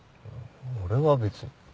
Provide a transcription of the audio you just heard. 俺は別に。